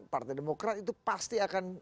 partai demokrat itu pasti akan